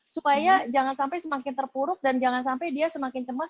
supaya jangan sampai semakin terpuruk dan jangan sampai dia semakin cemas